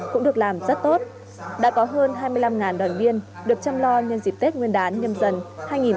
cũng được làm rất tốt đã có hơn hai mươi năm đoàn viên được chăm lo nhân dịp tết nguyên đán nhân dân